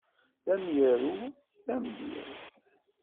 D amyaru, d amdyaz.